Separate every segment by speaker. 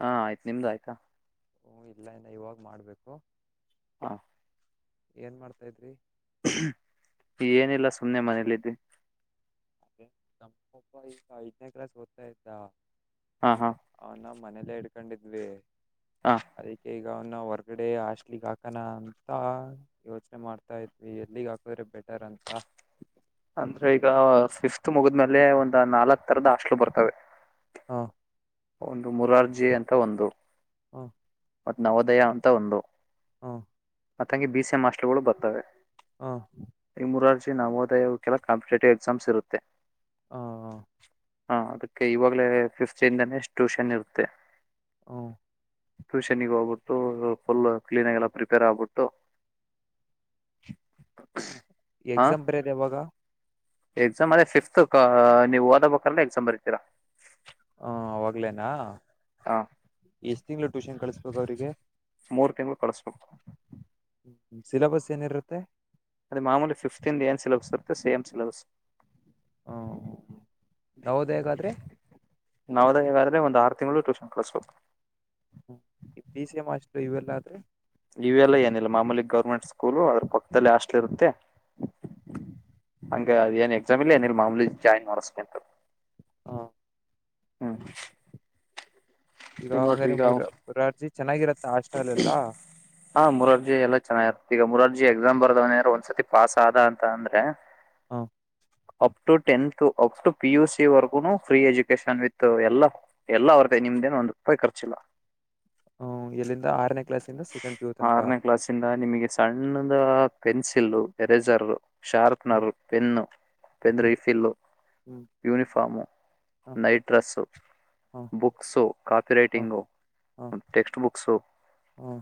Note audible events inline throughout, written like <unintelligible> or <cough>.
Speaker 1: ಹಾ ಆಯ್ತ್ ನಿಮ್ದ ಆಯ್ತಾ
Speaker 2: ಹ್ ಇಲ್ಲ ಇನ್ನು ಇವಾಗ ಮಾಡ್ಬೇಕು
Speaker 1: ಹಾ
Speaker 2: ಏನ್ ಮಾಡ್ತಾ ಇದ್
Speaker 1: ಏನಿಲ್ಲ ಸುಮ್ಮನೆ ಮನೇಲ್ಲಿದೆ
Speaker 2: ಅದ ತಪಪ್ಪ ಈಗ ಐದನೇ ಕ್ಲಾಸ್ ಹದ್ತಾಯಯ್ತಾ
Speaker 1: ಹಾ ಹಾ
Speaker 2: ಮನೇಲ್ಲ ಇಡ್ಕೊಂಡಿದ್ವಿ
Speaker 1: ಹಾ
Speaker 2: ಅದಕ್ಕೆ ಈಗ ಈಗ ಅವನ್ನ ಹೊರ್ಗಡೆ ಹಾಸ್ಲಿಗ್ ಹಾಕಣ ಅಂತ ಯೋಚನೆ ಮಾಡ್ತಾ ಇದ್ವಿ ಎಲ್ಲಿಗ್ ಹಾಕದ್ರೆ ಬೆಟ್ಟ ತರಂತ
Speaker 1: ಅಂದ್ರೆ ಈಗ ಫಿಫತ್ ಮುಗುದ್ಮೇಲೆ ಒಂದ್ ನಾಲ್ಕಕ್ ತರದ ಹಾಸ್ಟ್ಲು ಬರ್ತವೆ
Speaker 2: ಹಾ
Speaker 1: ಒಂದು ಮುರಾರ್ಜಿ ಅಂತ ಒಂದು
Speaker 2: ಹಾ
Speaker 1: ಮತ್ತ್ ನವೋದಯ ಅಂತ ಒಂದು
Speaker 2: ಹಾ
Speaker 1: ಮತ್ತಂಗೆ ಬಿ ಸಿ ಎ ಮಾಸ್ಟರ್ ಗಳು ಬರ್ತವೆ
Speaker 2: ಹಾ
Speaker 1: ನೋದಯವು ಕೆಲ ಕಾಂಪಿಟೇಟಿವ್ ಎಸಾಮ್ಸ್ ಇರುತ್ತೆ
Speaker 2: ಹ
Speaker 1: ಹಾ ಅದಕ್ಕೆ ಇವಾಗ್ಲೇ ಫಿಫ್ತ್ಂದಾನೇ ಟ್ಯೂಷನ್ ಇರುತ್ತೆ
Speaker 2: ಹ
Speaker 1: ಟ್ಯೂಷನ್ಗ ಹೋಗ್ಬಿಟ್ಟು ಫುಲ್ ಕ್ಲೀನ್ಗ ಎಲ್ಲ ಪ್ರಿಪೇರ್ ಆಗ್ಬಿಟ್ಟು <inaudible> ಹಾ
Speaker 2: ಎಕ್ಸಾಮ್ ಬರೆಯೋದು ಯಾವಾಗ
Speaker 1: ಎಕ್ಸಾಮ್ ಅದೇ ಫಿಫ್ತ್ ನೀವು ಓದಬೇಕ್ರಲ್ಲ ಎಕ್ಸಾಮ್ ಬರತೀರಾ
Speaker 2: ಹ ಅವಾಗ್ಲೇನಾ
Speaker 1: ಹ
Speaker 2: ಎಷ್ಟ್ ತಿಂಗಳು ಟ್ಯೂಷನ್ ಕಳಸ್ಬೇಕು ಅವ್ರಿಗೆ
Speaker 1: ಮೂರು ತಿಂಗಳು ಕಳಿಸ್ಬೇಕು
Speaker 2: ಹ್ಮ ಸಿಲಬಸ್ ಏನಿರುತ್ತೆ
Speaker 1: ಸೇಮ ಸಲಬಸ್
Speaker 2: ಹ್ಮ ಯವುದ ಹೇಗಾದ್ರೆ
Speaker 1: ನಾವದಾದ್ರೆ ಒಂದ ಆರು ತಿಂಗಳು ಟ್ಯೂಷನ್ ಕಳಸ್ಬೇಕು
Speaker 2: ಈ ಬಿ ಸಿ ಎ ಮಾಷ್ಟರು ಇವೆಲ್ಲ ಆದ್ರೆ
Speaker 1: ಇವೆಲ್ಲ ಏನಿಲ್ಲ ಮಾಮೂಲಿ ಗೌರ್ಮೆಂಟ್ ಸ್ಕೂಲು ಅದ್ರ ಪಕ್ಕದಲ್ಲಿ ಆಸ್ಟ್ಲಿ ಇರುತ್ತೆ ಹಂಗ ಅ ಏನ್ ಎಕ್ಸಾಮ್ ಇಲ್ಲ ಏನಲ್ ಮಾಮೂಲಿ ಜಾಯ್ನ್ ಮಾಡಸ್ಬೇಕಂತು
Speaker 2: ಹಾ
Speaker 1: ಹ್ಮ
Speaker 2: ಈಗ ಹಂಗ್ರೆ ಮುರ ಮುರಾರ್ಜಿ ಚೆನ್ನಾಗಿರತ್ತೆ
Speaker 1: ಹಾ ಮುರಾರ್ಜಿ ಎಲ್ಲ ಚೆನ್ನಾಗಿರುತ್ತೆ ಈಗ ಮುರಾರ್ಜಿ ಎಕ್ಸಾಮ್ ಬರ್ದವ್ನಾರ ಒಂದ್ಸತಿ ಪಾಸ್ ಆದ ಅಂತ ಅಂದ್ರೆ
Speaker 2: ಹಾ
Speaker 1: up to tenth up to P ಯುಸ ವರೆಗುನು ಫ್ರೀ ಎಜುಕೇಶನ್ ವಿತ್ ಎಲ್ಲ ಎಲ್ಲ ಅವ ನಿಮ್ದೇನ ಒಂದ್ ರೂಪಾಯಿ ಖರ್ಚಿಲ್ಲ
Speaker 2: ಹ್ಮ್ ಎಲ್ಲಿಂದ ಆರನೇ ಕ್ಲಾಸಿಂದ ಸೆಕೆಂಡ್ ಪಿ ಯು ತನಕ
Speaker 1: ಆರನೇ ಕ್ಲಾಸ್ ಇಂದ ನಿಮಗೆ ಸಣ್ಣದ ಪೆನ್ಸಿಲ್ ಎರೇಸರ್
Speaker 2: ಹ್ಮ್
Speaker 1: ಶಾರ್ಪ್ನರ್ ಪೆನ್ನು ಪೆನ್
Speaker 2: ಹ್ಮ್
Speaker 1: ರರಿಫಿಲ್
Speaker 2: ಹ್ಮ್
Speaker 1: ಯೂನಿಫಾರ್ಮು
Speaker 2: ಹ
Speaker 1: ನೈಟ್ ಡ್ರೆಸ್ಸು
Speaker 2: ಹ
Speaker 1: ಬುಕ್ಸು ಕಾಪಿ
Speaker 2: ಹ
Speaker 1: ರೈಟಿಂಗು
Speaker 2: ಹ
Speaker 1: ಟೆಕ್ಸ್ಟ್ ಬುಕ್ಸು
Speaker 2: ಹ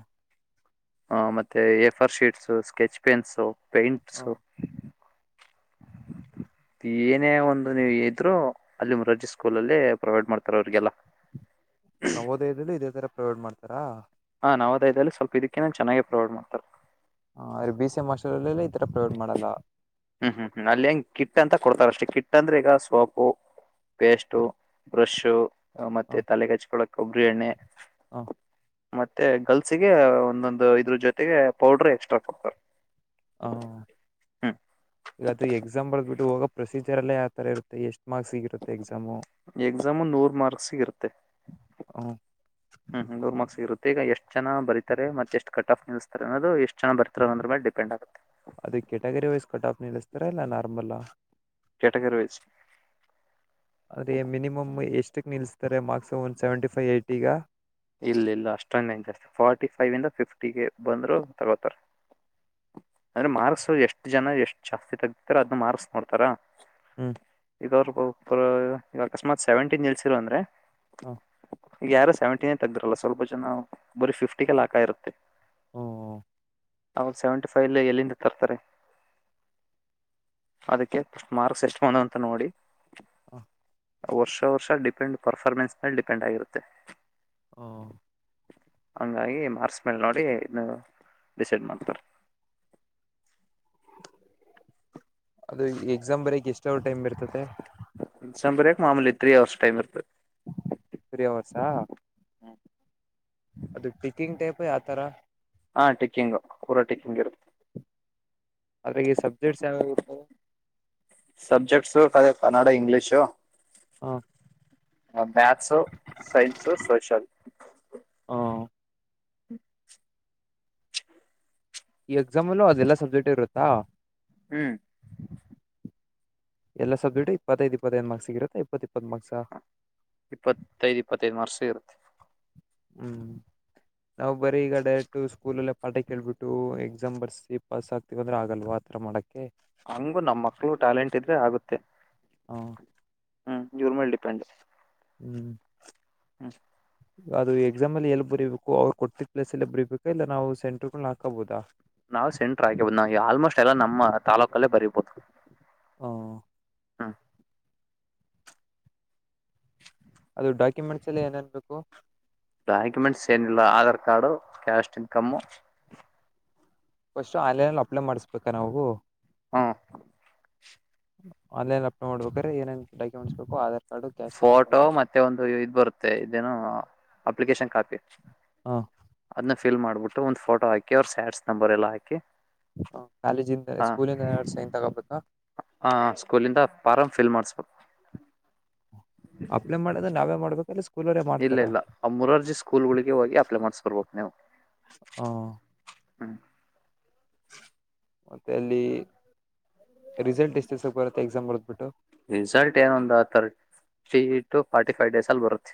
Speaker 1: ಹ ಮತ್ತೆ ಎಫರ್ ಶೀಟ್ಸ ಸ್ಕೆಚ್ ಪೆನ್ಸು
Speaker 2: ಹ
Speaker 1: ಪೈಂಟ್ಸು <inaudible> ಏನೇ ಒಂದು ನೀವು ಇದ್ರು ಅಲ್ಲಿ ಮುರಜಜಿ ಸ್ಕೂಲ ಅಲ್ಲಿ ಪ್ರೊವೈಡ್ ಮಾಡ್ತಾರ ಅವ್ರಿಗೆಲ್ಲ <inaudible>
Speaker 2: ನಾ ಓದಯದಲ್ಲಿ ಇದೇ ತರ ಪ್ರೊವೈಡ್ ಮಾಡ್ತಾರಾ
Speaker 1: ನಾ ನಾವುದದಲ್ಲಿ ಸ್ವಲ್ಪ ಇದಕ್ಕೆ ಚೆನ್ನಾಗಿ ಪ್ರೊವೈಡ್ ಮಾಡ್ತಾರೆ
Speaker 2: ಹಾ ಬಿಸಿಎಂ ಹಾಸ್ಟೆಲ್ ಜಲಿತ್
Speaker 1: ಹ್ಮ್ ಹ್ಮ್ ಹ್ಮ ಅಲ್ಲಿ ಹೆಂಗ ಕಿಟ್ಟಂತ ಕೊಡ್ತಾರ ಅಷ್ಟೆ ಕಿಟ್ಟ ಅಂದ್ರೆ ಈಗ ಸೋಪು ಪೇಸ್ಟು ಬ್ರಷು
Speaker 2: ಹ
Speaker 1: ಮತ್ತೆ ತಲೆಗೆ ಹಚ್ಕೊಳಕ್ ಒಬ್ಬರಿ ಎಣ್ಣೆ
Speaker 2: ಹ
Speaker 1: ಮತ್ತೆ ಗರ್ಲ್ಸಿಗೆ ಒಂದೊಂದು ಇದ್ರ ಜೊತೆಗೆ ಪೌಡ್ರ ಎಕ್ಸ್ಟ್ರಾ ಕೊಡ್ತಾರೆ
Speaker 2: ಹ
Speaker 1: ಹ್ಮ್
Speaker 2: ಈಗದು ಎಕ್ಸಾಂಬಳ ಬಿಟ್ಟು ಹೋಗ ಪ್ರೊಸೀಜರ್ ಎಲ್ಲ ಯಾವತರ ಇರುತ್ತೆ ಎಷ್ಟು
Speaker 1: ಎಕ್ಸಾಮು ನೂರು ಮಾರ್ಕ್ಸ್ ಇರುತ್ತೆ
Speaker 2: ಹ್ಮ್
Speaker 1: ಹ್ಮ್ ಹ್ಮ ದುಮಕ್ಷ <unintelligible> ಈಗ ಎಷ್ಟ ಜನ ಬತಾರೆತ್ತ ಎಷ್ಟ ಕಟ್ ಆಫ್ ನಿಲ್ಸ್ತಾರೆ ಅನ್ನದು ಎಷ್ಟ ಜನ ಬರ್ತಾರ ಅದ್ರ ಮೇಲೆ ಡಿಪೆಡ್ ಗುತ್ತೆ
Speaker 2: ಅದ ಕ್ಯಾಟಗರಿ ವೈಸ್ ಕಟ್ ಆಫ್ ನಿಲ್ಲಸ್ತರಾ ಇಲ್ಲ ನಾರ್ಮಲ್
Speaker 1: ಕ್ಯಾಟಗರಿ ವೈಸ್
Speaker 2: ಅದೇ ಮಿನಿಮಮ್ ಎಷ್ಟು ಕ್ ನಿಲ್ಲಿಸತಾರೆ ಮಾರ್ಕ್ಸಸ್ ಒನ್ ಸೆವೆಂಟಿ ಫೈ್ ಐಟ್ ಈಗ
Speaker 1: ಇಲ್ಲ ಇಲ್ಲ ಅಷ್ಟೊನ್ನೇ ಜಾಸ್ತಿ ಫಾರ್ಟಿ ಫೈವ್ ಇಂದ ಫಿಫ್ಟಿಗೆ ಬಂದರು ತಗೋತಾರೆ ಅಂದ್ರೆ ಮಾರ್ಕ್ಸ್ ಎಷ್ಟು ಜನ ಎಷ್ಟು ಜಾಸ್ತಿ ತಗತಿತಾರ ಅದು ಮಾರ್ಕ್ಸ್ ನೋಡ್ತಾರ
Speaker 2: ಹ್ಮ್
Speaker 1: ಈಗ ಅವ್ರ ಈಗ ಅಕಸ್ಮಾತ್ ಸೆವೆಂಟೀನ್ ನಿಲ್ಸಿರ ಅಂದ್ರೆ
Speaker 2: ಹಾ
Speaker 1: ಈಗ ಯಾರು ಸೆವೆಂಟಿನೇ ತೆಗ್ದಿರಲ್ಲ ಸ್ವಲ್ಪ ಜನ ಬರೀ ಫಿಫ್ಟಿಗೆ ಲ ಹಾಕ ಇರುತ್ತೆ
Speaker 2: ಹ್ಮ್
Speaker 1: ಅವಾಗ ಸೆವೆಂಟಿ ಫೈವ್ ಲ ಎಲ್ಲಿಂದ ತರ್ತಾರೆ ಅದಕ್ಕೆಸ್ ಮಾರ್ಕ್ಸ್ ಎಷ್ಟು ಬಂದ ಅಂತ ನೋಡಿ
Speaker 2: ಹಾ
Speaker 1: ವರ್ಷ ವರ್ಷ ಡಿಪೆಂಡ್ ಪರ್ಫಾರ್ಮೆನ್ಸ್ ಮೇಲ್ಲಿ ಡಿಪೆಂಡ್ ಆಗಿರುತ್ತೆ
Speaker 2: ಹ
Speaker 1: ಹಂಗಾಗಿ ಮಾರ್ಸ್ ಮೇಲ್ ನೋಡಿ ಇ ಡಿಸೈಡ್ ಮಾಡ್ತಾರೆ <inaudible>
Speaker 2: ಅದು ಎಕ್ಸಾಮ್ ಬರಕ್ ಎಷ್ಟ ಟೈಮ್ ಇರ್ತದೆ
Speaker 1: ಸಂಬರ ಮಾಮೂಲಿ ಎತ್ರೀ ಅವರ್ಷ ಟೈಮ್ ಇರುತ್ತೆ
Speaker 2: ರಿ ಅವರ್ಸ್ ಅದು ಟಿಕಿಂಗ್ ಟೈಪ್ ಯಾವತರ
Speaker 1: ಹಾ ಟಿಕ್ಕಿಂಗ್ ಪೂರಾ ಟಿಕ್ಕಿಂಗ್ ಇರುತ್ತ
Speaker 2: ಅದ್ರಾಗಿ ಸಬ್ಜೆಕ್ಟ್ಸ್ ಯಾವಾಗಿರ್ತದೆ
Speaker 1: ಸಬ್ಜೆಕ್ಟ್ಸ್ ಕನ್ನಡ ಇಂಗ್ಲಿಷು
Speaker 2: ಹಾ
Speaker 1: ಹ ಮ್ಯಾಕ್ಸ್ ಸೈನ್ಸು ಸೋಷಲ್
Speaker 2: ಹ ಈ ಎಕ್ಸಾಮ್ ಅಲ್ಲೂ ಅದೆಲ್ಲಾ ಸಬ್ಜೆಕ್ಟ್ ಇರುತ್ತಾ
Speaker 1: ಹ್ಮ್
Speaker 2: ಎಲ್ಲಾ ಸಬ್ಜೆಕ್ಟ್ ಇಪ್ಪತ್ತೈದು ಇಪ್ಪತ್ತೈ ಮಾರ್ಕ್ಸ್ ಸಿಗಿರುತ್ತಾ ಇಪ್ಪತ್ತ ಇಪ್ಪತ್ತು ಮಾರ್ಕ್ಸ್
Speaker 1: ಇಪ್ಪತ್ತೈದು ಇಪ್ಪತ್ತೈದು ವರ್ಷ ಇರುತ್ತೆ
Speaker 2: ಹ್ಮ್ ನಾವವು ಬರೀ ಈಗಡಯಟ್ಟು ಸ್ಕೂಲಲ್ಲೇ ಪಾಠ ಕೇಳ್ಬಿಟ್ಟು ಎ ಎಕ್ಸಾಮ್ ಬರ್ಸಿ ಪಾಸ್ ಆಗ್ತೀವಿ ಅಂದರೆ ಆಗಲ್ವ ಆ ಥರ ಮಾಡೋಕ್ಕೆ
Speaker 1: ಹಂಗು ನಮ್ ಮಕ್ಳು ಟ್ಯಾಲೆಂಟ್ ಇದ್ರೆ ಆಗುತ್ತೆ
Speaker 2: ಹಾ
Speaker 1: ಹ್ಮ್ ಇವ್ರ ಮೇಲ್ ಡಿಪೆಂಡ್
Speaker 2: ಹ್ಮ್
Speaker 1: ಹ್ಮ್
Speaker 2: ಅದು ಎಕ್ಸಾಮ್ ಅಲ್ಲಿ ಎಲ್ಲಿ ಬರಿೀಬೇಕು ಅವ್ರು ಕೊಟ್ಟಿದ್ದ್ ಪ್ಲೇಸ್ ಎಲ್ಲಿ ಬರಿೀಬೇಕು ಇಲ್ಲ ನಾವು ಸೆಂಟರ್ಗಳ ಹಾಕಬಹಾ
Speaker 1: ನಾವು ಸೆಂಟ್ರ ಆಗಿಬಹದ್ ನಾವ ಆಲ್ಮೋಸ್ಟ್ ಎಲ್ಲ ನಮ್ಮ ತಾಾಲೂಕಲ್ಲೇ ಬರಿಬಹುದು
Speaker 2: ಹ
Speaker 1: ಹ್ಮ್
Speaker 2: ಅದು ಡಾಕ್ಯುಮೆಂಟ್ಸ್ ಎಲ್ಲಿ ಏನೇನ್ಬೇಕು.
Speaker 1: ಡಾಕಮೆಂಟ್ಸ್ ಏನಿಲ್ಲ Aadhaar card caste income
Speaker 2: first ಆನ್ಲೈನ್ಲ್ಲಿ ಅಪ್ಲೈ ಮಾಡಿಸ್ಬೇಕಾ ನಾವು
Speaker 1: ಹಾ
Speaker 2: ಆನ್ಲೈನ್ ಲಾಪ್ಟಾಪ್ ಮಾಡ್ಬೇಕ್ರೆ ಏನೇನ್ ಡಾಕ್ಯುಮೆಂಟ್ಸ್ ಬೇಕು Aadhaar card caste income
Speaker 1: photo ಮತ್ತೆ ಒಂದು ಇದ್ ಬರುತ್ತೆ ಇದೇನು ಅಪ್ಲಿಕೇಶನ್ ಕಾಪಿ
Speaker 2: ಹಾ
Speaker 1: ಅದನ್ನ ಫಿಲ್ ಮಾಡಬಟ್ಟ ಒಂದ್ ಫೋಟೋ ಹಾಕಿ್ರ ಸ್ಯಾಡ್ಸ್ ನಂಬರ್ ಎಲ್ಲ ಹಾಕಿ
Speaker 2: ಕಾಲೇಜಿಂದ
Speaker 1: ಹಾ
Speaker 2: ಸ್ಕೂಲಿಂದ ಸೈನ್ ತಗೋಬೇಕಾ
Speaker 1: ಹ ಸ್ಕೂಲಿಂದ ಪಾರಂ ಫಿಲ್ ಮಾಡಿಸ್ಬೇಕು
Speaker 2: ಅಪ್ಲೇ ಮಾಡದ ನಾವೇ ಮಾಡ್ಬೇಕೊ ಇಲ್ಲ. ಸ್ಕೂಲವರೇ
Speaker 1: ಇಲ್ಲ
Speaker 2: ಮಾಡ್ತಾರಾ
Speaker 1: ಇಲ್ಲ ಆ ಮುರಾರ್ಜಿ ಸ್ಕೂಲ್ಗಳಿಗೆ ಹೋಗಿ ಅಪ್ಲೈ ಮಾಡ್ಸ್ಕರ್ಬೇಕ ನೀವು ಹ್ಮ್
Speaker 2: ಮತ್ತೆ ಅಲ್ಲಿ ರಿಸಲ್ಟ್ ಎಷ್ಟು ದಿವಸಕ್ಕೆ ಬರುತ್ತೆ ಎಕ್ಸಾಮ್ ಬರ್ದ್ಬಿಟ್ಟು
Speaker 1: ರಿಿಸಲ್ಟ್ ಏನುಂದ ಶ <unintelligible> ಟು ಫಾರ್ಟಿ ಫೈವ್ ಡೇಸ್ ಅಲ್ಲಿ ಬರುತ್ತೆ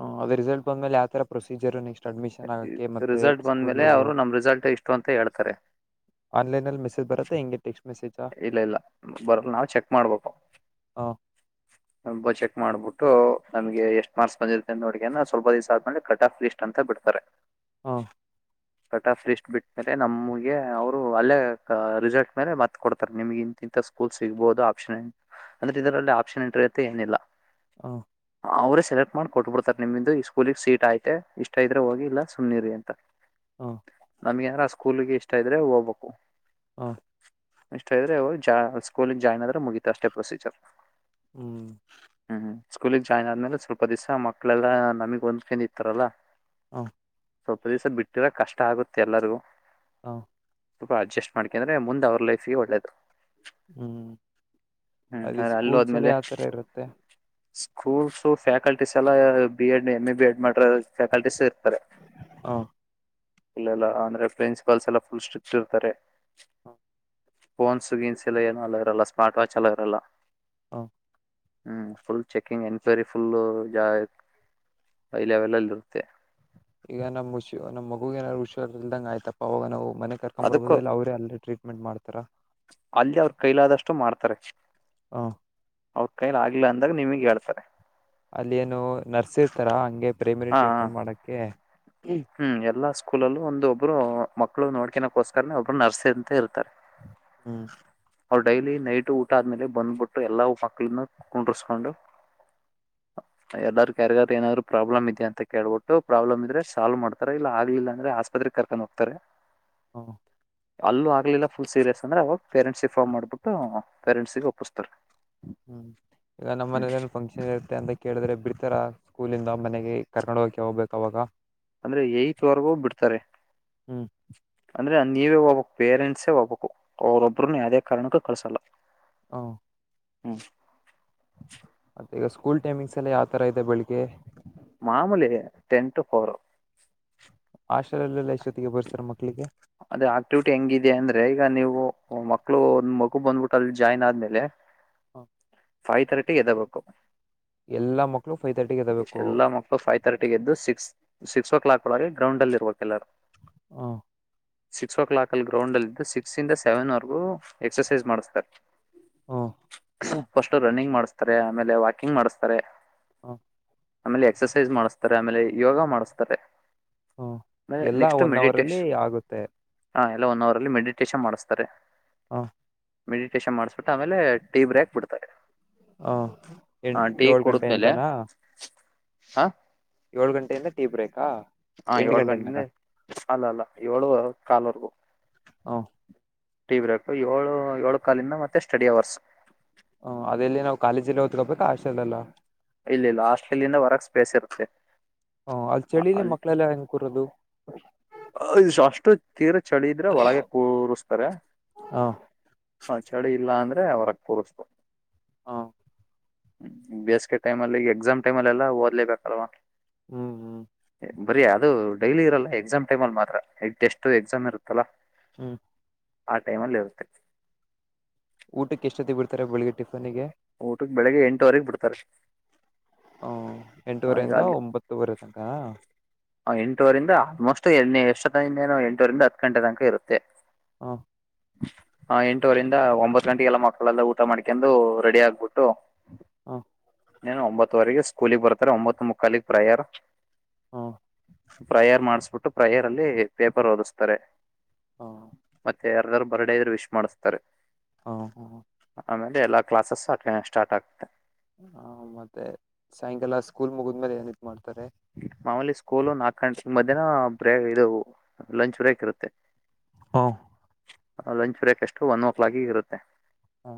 Speaker 2: ಹ್ಮ್ ರಿಸಲ್ಟ್ ಬಂದ್ಮೇಲೆ ಯಾವ ತರ ಪ್ರೊಸೀಜರು ನೆಕ್ಸ್ಟ್ ಅಡ್ಮಿಷನ್ ಆಗಕ್ಕೆ ಮತ್ತೆ
Speaker 1: ರಿಸಲ್ಟ್
Speaker 2: ಸ್ಕೂಲ್
Speaker 1: ಬಂದ್ಮೇಲೆ
Speaker 2: ಹೋ
Speaker 1: ಅವರು ನಮ್ ರಿಸಲ್ಟ್ ಇಷ್ಟು ಅಂತ ಹೇಳ್ತಾರೆ
Speaker 2: ಆನ್ಲೈನ್ ಅಲ್ಲಿ ಮೆಸೇಜ್ ಬರುತ್ತೆ. ಹಿಂಗೆ ಟೆಕ್ಸ್ಟ್ ಮೆಸೇಜಾ
Speaker 1: ಇಲ್ಲ ಇಲ್ಲ ಬರಲ್ಲ ನಾವ್ ಚೆಕ್ ಮಾಡ್ಬೇಕು.
Speaker 2: ಹ
Speaker 1: ನಂಬರ್ ಚೆಕ್ ಮಾಡ್ಬಿಟ್ಟು. ನಮ್ಗೆ ಎಷ್ಟ ಮಾರ್ಕ್ಸ್ ಬಂದಿರುತ್ತ ಅ ನೋಡ್ಕೊಂಡು ಸ್ವಲ್ಪ ದಿವಸ ಆದ್ಮೇಲೆ ಕಟ್ ಆಫ್ ಲಿಸ್ಟ್ ಅಂತ ಬಿಡ್ತಾರೆ.
Speaker 2: ಹ
Speaker 1: ಕಟ್ ಆಫ್ ಲಿಸ್ಟ್ ಬಿಟ್ಟ ಮೇಲೆ ನಮಗೆ ಅವ್ರು ಅಲ್ಲೇ ರಿಸಲ್ಟ್ ಮೇಲೆ ಮತ್ತ ಕೊಡ್ತಾರೆ ನಿಮ್ಗೆ ಇಂತಿಂಥ ಸ್ಕೂಲ್ ಸಿಗ್ಬಹುದು ಆಪ್ಷನ್ ಅಂದ್ರೆ ಇದರಲ್ಲಿ ಆಪ್ಷನ್ ಎಂಟ್ರಿ ಅಂತ ಏನಿಲ್ಲ.
Speaker 2: ಹೂ
Speaker 1: ಅವ್ರೇ ಸೆಲೆಕ್ಟ್ ಮಾಡಿ ಕೊಟ್ಬಿಡ್ತಾರೆ ನಿಮ್ದು ಈ ಸ್ಕೂಲಿಗೆ ಸೀಟ್ ಆಯತೆ ಇಷ್ಟ ಇದ್ರೆ ಹೋಗಿ ಇಲ್ಲ ಸುಮ್ಮ್ರಿ ಅಂತ.
Speaker 2: ಹೂ
Speaker 1: ನಮ್ಗೆ ಎನಾರ ಸ್ಕೂಲ್ಗೆ ಇಷ್ಟ ಇದ್ರೆ ಹೋಗ್ಬೇಕು.
Speaker 2: ಹ
Speaker 1: ಇಷ್ಟ್ರೆ ಇದ್ರೆ ಹೋಗಿ ಸ್ಕೂಲ ಜಾಯ್ನ್ ಆದ್ರೆ ಮುಗೀತ ಅಷ್ಟೇ ಪ್ರೊಸೀಜರ್.
Speaker 2: ಹೂ
Speaker 1: ಸ್ಕೂಲಗ್ ಜಾಯಿನ್ ಆದ್ಮೇಲೆ ಸ್ವಲ್ಪ ದಿಸ ಮಕ್ಕಳೆಲ್ಲಾ ನಮಗ್ ಒಂದ್ಕೊಂಡಿರ್ತಾರಲ್ಲ.
Speaker 2: ಹ
Speaker 1: ಸ್ವಲ್ಪ ದಿವಸ ಬಿಟ್ ಇರಕ್ಕೆ ಕಷ್ಟ ಆಗುತ್ತೆ ಎಲ್ಲರು.
Speaker 2: ಹಾ
Speaker 1: ಸ್ವಲ್ಪ ಅಡ್ಜಸ್ಟ್ ಮಾಡ್ಕೊಂಡ್ರೆ ಮುಂದ್ ಅವ್ರ ಲೈಫಿಗೆ ಒಳ್ಳೇದು.
Speaker 2: ಹ್ಮ್
Speaker 1: ಹ್ಮ್
Speaker 2: ಅಲ್ಲಿ
Speaker 1: ಆದ್ರೆ
Speaker 2: ಸ್ಕೂಲ್ಸ್ ಎಲ್ಲ
Speaker 1: ಹೋದ್ಮೇಲೆ
Speaker 2: ಯಾವತರ ಇರುತ್ತೆ.
Speaker 1: ಸ್ಕೂಲ್ಸ್ ಫ್ಯಾಕಲ್ಟೀಸ್ ಎಲ್ಲಾ B Ed M A B Ed ಮಾಡ್ ಫ್ಯಾಕಲ್ಟೀಸ್ ಇರ್ತಾರೆ.
Speaker 2: ಹ
Speaker 1: ಇಲ್ಲೆಲ್ಲ ಅಂದ್ರೆ ಪ್ರಿನ್ಸಿಪಾಲ್ಸ್ ಎಲ್ಲಾ ಫುಲ್ ಸ್ಟ್ರಿಕ್ಟ್ ಇರ್ತಾರೆ. ಫೋನ್ಸ್ ಗೀನ್ಸ್ ಎಲ್ಲ ಏನೂ ಅಲೋ ಇರಲ್ಲ ಸ್ಮಾರ್ಟ್ ವಾಚ್ ಅಲೋ ಇರಲ್ಲ.
Speaker 2: ಹ
Speaker 1: ಹ್ಮ್ ಫುಲ್ ಚೆಕಿಂಗ್ ಎನ್ಕ್ವರಿ ಫುಲ್ ಜ ಹೈ ಲೆವೆಲ್ ಅಲ್ಲಿ ಇರುತ್ತೆ.
Speaker 2: ಈಗ ನಮ್ಮ ಹುಷಿ ನಮ್ಮ ಮಗು ಏನಾರ್ ಹುಷಾರ ಇಲ್ದಂಗಗೆ ಆಯ್ತಾ ಅವಾಗ ನಾವು. ಮನೆ ಕರ್ಕೊಂಡ್
Speaker 1: ಅದಕ್ಕೂ
Speaker 2: ಬರ್ಬೋದ ಇಲ್ಲ ಅವ್ರೇ ಅಲ್ಲೇ ಟ್ರೀಟ್ಮೆಂಟ್ ಮಾಡ್ತಾರ.
Speaker 1: ಅಲ್ಲಿ ಅವ್ರ ಕೈಲಾದಷ್ಟು ಮಾಡ್ತಾರೆ.
Speaker 2: ಹ
Speaker 1: ಅವ್ರ ಕೈಲ ಆಗಿಲ್ಲ ಅಂದಾಗ ನಿಮಗ್ ಹೇಳ್ತಾರೆ
Speaker 2: ಅಲ್ಲಿ ಏನು ನರ್ಸ ಇರ್ತಾರ ಹಾಂಗೆ ಕೆ ಪ್ರಿಪೀಟರಿ ಮಾಡಕ್ಕೆ
Speaker 1: ಹ್ಮ ಹ್ಮ್ ಎಲ್ಲಾ ಸ್ಕೂಲಲ್ಲೂ ಒಂದ ಒಬ್ರು ಮಕ್ಳು ನೋಡ್ಕನಕ್ಕೋಸ್ಕರನ ಒಬ್ರು ನರ್ಸರಿ ಅಂತ ಇರ್ತಾರೆ
Speaker 2: ಹ್ಮ
Speaker 1: ಅವ್ರು ಡೈಲಿ ನೈಟ್ ಊಟ ಆದ್ಮೇಲೆ ಬಂದ್ಬಿಟ್ಟು ಎಲ್ಲಾ ಮಕ್ಳನ್ನ ಕುಂಡರ್ಸ್ಕೊಂಡು. ಎಲ್ಲಾರ್ಗು ಯಾರಿಗಾರ ಏನಾದ್ರು ಪ್ರಾಬ್ಲಮ್ ಇದೆ ಅಂತ ಕೇಳ್ಬಿಟ್ಟು ಪ್ರಾಬ್ಲಮ್ ಇ ಆದ್ರೆ ಸಾಲ್ವ್ ಮಾಡ್ತಾರ ಇಲ್ಲ ಆಗ್ಲಿಲ್ಲ ಅಂದ್ರೆ ಆಸ್ಪತ್ರೆಗ್ ಕರ್ಕೊಂಡ್ ಹೋಗ್ತಾರೆ.
Speaker 2: ಹ್ಮ
Speaker 1: ಅಲ್ಲೂ ಆಗ್ಲಿಲ್ಲ ಫುಲ್ ಸೀರಿಯಸ್ ಅಂದ್ರೆ ಅವಾಗ ಪೇರೆಂಟ್ಸ್ ಪೋನ್ ಮಾಡಿಬಿಟ್ಟು ಮಾಡ್ಬಿಟ್ಟು ಪೇರೆಂಟ್ಸ್ ಗೆ ಒಪ್ಪಸ್ತಾರೆ.
Speaker 2: ಹ್ಮ್ ಈಗ ನಮ್ಮ ಮನೇಲಿ ಏನು ಫಂಕ್ಷನ್ ಇರುತ್ತೆ ಅಂತ ಕೇಳಿದ್ರೆ. ಬಿಡ್ತರ ಸ್ಕೂಲಿಂದ ಮನೆಗೆ ಕರ್ಕೊಂಡ್ ಹೋಗ್ಬೇಕ ಅವಾಗ.
Speaker 1: ಅಂದ್ರೆ ಎಯಟ್ವರೆಗೂ ಬಿಡ್ತಾರೆ.
Speaker 2: ಹ್ಮ್
Speaker 1: ಅಂದ್ರೆ ನೀವೇ ಹೋಗ್ಬಬೇಕ್ ಪೇರೆಂಟ್ಸೇ ಹೋಗ್ಬಬೇಕು ಅವ್ರೊಬ್ಬ್ರನ್ನ ಯಾವದೇ ಕಾರಣಕ್ಕೂ ಕಳ್ಸಲ್ಲ.
Speaker 2: ಹ
Speaker 1: <inaudible>
Speaker 2: ಮತ್ತೆ ಈಗ ಸ್ಕೂಲ್ ಟೈಮಿಂಗ್ಸ್ ಎಲ್ಲ ಯಾವ ತರ ಇದೆ ಬೆಳಗ್ಗೆ
Speaker 1: ಆಮೂಲೆ ಟೆನ್ತೂ ಪವರ್
Speaker 2: ಆಶಾಲಲ್ಲೆಲ್ಲ ಎಷ್ಟೊತ್ತಿಗೆ ಬರ್ಸರ್ ಮಕ್ಳಿಗೆ
Speaker 1: ಅದೇ ಆಕ್ಟಿವಿಟಿ ಹೆಂಗಿದೆ ಅಂದ್ರೆ ಈಗ ನೀವು ಮಕ್ಳು ಮಗು ಬಂದ್ಬಿಟ್ಟ ಅಲ್ಲಿ ಜಾಯ್ನ್ ಆದ್ಮೇಲೆ
Speaker 2: ಹ್ಮ
Speaker 1: ಫೈವ್ ತರ್ಟಿಗೆ ಎದಬೇಕು
Speaker 2: ಎಲ್ಲಾ ಮಕ್ಕಳು ಫೈವ್ ತರ್ಟಿಗೆ ಎದಬೇಕು
Speaker 1: ಎಲ್ಲಾ ಮಕ್ಕಳು ಫೈವ್ ತರ್ಟಿ ಎದ್ದು ಸಿಕ್ಸ್ ಸಿಕ್ಸ್ ಓ ಕ್ಲಾಕ್ ಳಗೆ ಗ್ರೌಂಡ್ ಅಲ್ಲಿ ಇರ ಎಲ್ಲರು
Speaker 2: ಹ್ಮ್
Speaker 1: ಸಿಕ್ಸ್ ಓ ಕ್ಲಾಕ್ ಅಲ್ಲಿ ಗ್ರೌಂಡ್ಲ್ಲಿದ್ದು ಸಿಕ್ಸ್ ಇಂದ ಸೆವೆನ್ ವರೆಗೂ ಎಕ್ಸಸೈಸ್ ಮಾಡಿಸ್ತಾರೆ
Speaker 2: ಹ
Speaker 1: ಫಸ್ಟ್ ರನ್ನಿಂಗ್ ಮಾಡ್ಸ್ತಾರೆ ಆಮೇಲೆ ವಾಕಿಂಗ್ ಮಾಡಸ್ತಾರೆ
Speaker 2: ಹ್ಮ
Speaker 1: ಆಮೇಲೆ ಎಕ್ಸಸೈಜ ಮಾಡಿಸ್ತಾರೆ ಆಮೇಲೆ ಯೋಗ ಮಾಡಸ್ತಾರೆ
Speaker 2: ಹ್ಮ ಎಲ್ಲಾ ಒನ್ ಅವರ್ ಅಲ್ಲಿ ಆಗುತ್ತೆ
Speaker 1: ಹಾ ಎಲ್ಲ ಒನ್ ಅವರ್ ಅಲ್ಲಿ ಮೆಡಿಟೇಷನ್ ಮಾಡಿಸ್ತಾರೆ
Speaker 2: ಹಾ
Speaker 1: ಮೆಡಿಟೇಷನ್ ಮಾಡಸ್ಬಿಟ್ಟು ಆಮೇಲೆ ಟೀ ಬ್ರೇಕ್ ಬಿಡ್ತಾರೆ
Speaker 2: ಹ ಎಂ
Speaker 1: ಟೀ
Speaker 2: ಏಳ್ ಗಂಟೆ
Speaker 1: ಕುಡಿದ್ಮೇಲೆ
Speaker 2: ಎಂತಾನ
Speaker 1: ಹಾ
Speaker 2: ಏಳು ಗಂಟೆಯಿಂದ ಟ ಬ್ರಕ್
Speaker 1: ಹಾ ಏಳ್ ಗಂಟಿಂದ ಅಲ್ಲ ಅಲ್ಲ ಏಳು ಕಾಲವರೆಗೂ
Speaker 2: ಹ
Speaker 1: ೀ ಬ್ರು ಏಳು ಏಳು ಕಾಲಿಂದ ಮತ್ತೆ ಸ್ಟಡಿ ಅವರ್ಸ್
Speaker 2: ಹ್ಮ್ ಅದೆಲ್ಲಿ ನಾವು ಕಾಲೇಜಲ್ಲಿ ಓದ್ಕೋಬೇಕಾ ಆಶಳಲ್ಲ
Speaker 1: ಇಲ್ಲ ಇಲ್ಲ ಆಸ್ಟ್ರೇಲಿಯಿಂದ ಹೊರಕ್ ಸ್ಪೇಸ್ ಇರುತ್ತೆ
Speaker 2: ಹ ಅಲ್ಲಿ ಚಳಿಲಿ ಮಕ್ಳೆಲ್ಲ ಹೆಂಗ ಕೂರದು
Speaker 1: ಅಷ್ಟು ತೀರ ಚಳಿ ಇದಿದ್ರೆ ಒಳಗೆ ಕೂಸ್ತಾರೆ
Speaker 2: ಹ
Speaker 1: ಹ ಚಳಿ ಇಲ್ಲ ಅಂದ್ರೆ ಅವರಗ್ ಕೂರ್ಸ್ತು
Speaker 2: ಹಾ
Speaker 1: ಹ್ಮ್ ಬೇಸ್ಿಗೆ ಟೈಮಲ್ಲಿ ಈ ಎಕ್ಸಾಮ್ ಟೈಮಲ್ಲಿ ಎಲ್ಲಾ ಓದ್ೇಬೇಕಲ್ವಾ
Speaker 2: ಹ್ಮ್ ಹ್ಮ್
Speaker 1: ಬರಿೀ ಅದು ಡೈಲಿ ಇರಲ್ಲ ಎಕ್ಸಾಮ್ ಟೈಮ ಅಲ್ಲಿ ಮಾತ್ರ ಟೆಸ್ಟ್ ಎಕ್ಸಾಮ್ ಇರುತ್ತಲ್ಲಾ
Speaker 2: ಹ್ಮ್
Speaker 1: ಆ ೈಮ ಅಲ್ಲಿ ಇರುತ್ತೆ
Speaker 2: ಊಟಕ್ಕೆ ಎಷ್ಟೊತ್ತಿ ಬಿಡ್ತಾರೆ ಬೆಳಗ್ಗೆ ಟ
Speaker 1: ಊಟಕ್ಕೆ ಬೆಳಿಗ್ಗೆ ಎಂಟುವರೆಗ್ ಬಿಡ್ತಾರೆ ಆ,
Speaker 2: ಎಂಟುವರೆಯಿಂದ ಒಂಬತ್ತವರೆ ತನಕ
Speaker 1: ಎಂಟೂುವರಿಂದ ಆಲ್ಮೋಸ್ಟ್ ಎಷ್ಟೇನ ಎಂಟೂರಿಂದ ಹತ್ತು ಗಂಟೆ ತನಕ ಇರುತ್ತೆ
Speaker 2: ಹಾ
Speaker 1: ಹ ಎಂಟೂುವರಿಂದ ಒಂಬತ್ ಗಂಟೆಗೆ ಎಲ್ಲ ಮಕ್ಕಳೆಲ್ಲ ಊಟ ಮಾಡ್ಕೊಂಡು ರೆಡಿ ಆಗ್ಬಿಟ್ಟು
Speaker 2: ಹ
Speaker 1: ನು ಒಂಬತ್ತುವರೆಗೆ ಸ್ಕೂಲಗ್ ಬರ್ತಾರೆ ಒಂಬತ್ತು ಮುಕ್ಕಾಲಗ್ ಪ್ರಯರ್
Speaker 2: ಹಾ
Speaker 1: ಫ್ರೈಯರ್ ಮಾಡಿಸಬಿಟ್ಟು ್ರೈಯರ್ ಅಲ್ಲಿ ಪೇಪರ್ ಓದಿಸ್ತಾರೆ
Speaker 2: ಹ
Speaker 1: ಮತ್ತೆ ಯಾರಾರ್ ಬರಡೆ ಇದ್ರೆ ವಿಶ್ ಮಾಡಿಸ್ತಾರೆ
Speaker 2: ಹಾ ಹಾ
Speaker 1: ಆಮೇಲೆ ಎಲ್ಲಾ ಕ್ಲಾಸಸ್ು ಅ ಸ್ಟಾರ್ಟ್ ಆಗುತ್ತೆ
Speaker 2: ಹಾ ಮತ್ತೆ ಸಾಯಂಕಾಲ ಸ್ಕೂಲ್ ಮುಗಿದ್ಮೇಲೆ ಏನ್ ಇ ಮಾಡ್ತ
Speaker 1: ಮಾಮೂಲಿ ಸ್ಕೂಲು ನಾಕು ಗಂಟ ಮಧ್ಯಾಹನ ಬ್ರೇ ಇದು ಲಂಚ್ ಬ್ರೇಕ್ ಇರುತ್ತೆ
Speaker 2: ಹಾ
Speaker 1: ಲಂಚ್ ಬ್ರೇಕಕ್ ಎಷ್ಟು ಒನ್ ಓ ಕ್ಲಾಕ್ ಇರುತ್ತೆ
Speaker 2: ಹ್ಮ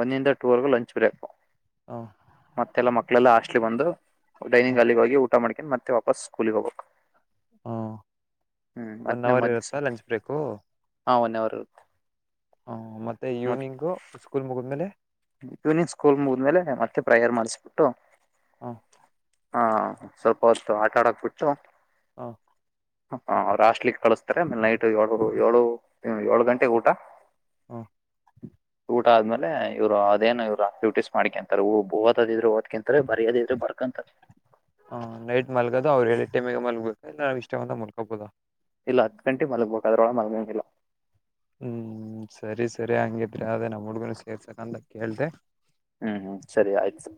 Speaker 1: ಒಂದಿಂದ ಟೂರ್ಗ ಲಂಚ್ ಬ್ರೇಕು
Speaker 2: ಹ
Speaker 1: ಮತ್ತೆಲ್ಲ ಮಕ್ಕಳೆಲ್ಲ ಹಾಸ್ಟ್ಲಿ ಬಂದು ಡೈನಂಗ್ ಹಾಲಿ ಹೋಗಿ ಊಟ ಮಾಡಕೊಂಡ ಮತ್ತೆ ವಾಪಸ್ ಸ್ಕೂಲಿಗೆ ಹೋಗಬೇಕು
Speaker 2: ಹಾ ಒನ್ ಅವರ್ ಇರುತ್ತಾ ಲಂಚ್ ಬ್ರೇಕು
Speaker 1: ಹಾಂ ಒನ್ ಅವರ್ ಇರುತ್ತೆ
Speaker 2: ಹ ಮತ್ತೆ ಈವ್ನಿಂಗು ಸ್ಕೂಲ್ ಮುಗಿದ್ಮೇಲೆ
Speaker 1: ಇವನಿಂಗ್ ಸ್ಕೂಲ್ ಮುಗ್ಮೇಲೆ ಮತ್ತೆ ಪ್ರೇಯರ್ ಮಾಡಿಸಬಿಟ್ಟು
Speaker 2: ಹಾ
Speaker 1: ಹಾ ಸ್ವಲ್ಪ ಹೊತ್ತು ಆಟ ಆಡಾಕ್ ಬಿಟ್ಟು
Speaker 2: ಹಾ
Speaker 1: ಹ ಅವ್ರುಾಸ್ಟ್ಲಿ ಕಳಸ್ತಾರೆ ಮೇಲೆ ನೈಟ್ ಏಳರು ಏಳು ಏಳು ಗಂಟೆಗೆ ಊಟ
Speaker 2: ಹ್ಮ
Speaker 1: ಊಟ ಆದ್ಮೇಲೆಯ ಇವ್ರುದೇನ ಇ್ರು ಆಕ್ಟಿವಿಟೀಸ್ ಮಾಡಕಂತಾರೆ ಓದಿದ್ರರು ಓದ್ಕಂತಾರೆ ಬರಿಯೋದ ಇದ್ರೆ ಬರ್ಕಂತಾರೆ
Speaker 2: ಹ ನಾು ಇಷ್ಟವಂದ ಮುಕೊಬೋುದಾ
Speaker 1: ಇಲ್ಲ ಹತ್ತು ಗಂಟೆ ಮಲ್ಗ್ಬೇಕು ಅದ್ರೊಳ ಮಲ್ಗಂಗಿಲ್ಲ
Speaker 2: ಹ್ಮ್ ಸರಿ.. ಸರಿ ಹಂಗಿದ್ರಿ ಅದೇ ನಮ್ಮ ಹುಡುಗನು ಸೇರ್ಸಕಂತ ಕೇಳ್ದ
Speaker 1: ಹ್ಮ್ ಹ್ಮ್ ಸರಿ ಆಯ್ತು ಸರ್